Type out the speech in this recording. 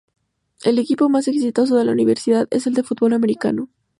El equipo más exitoso de la universidad es el de fútbol americano.